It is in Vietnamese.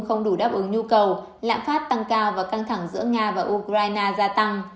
không đủ đáp ứng nhu cầu lạm phát tăng cao và căng thẳng giữa nga và ukraine gia tăng